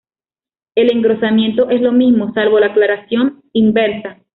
El engrosamiento es lo mismo, salvo la aclaración inversa.